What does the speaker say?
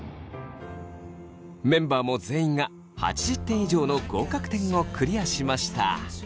メンバーも全員が８０点以上の合格点をクリアしました。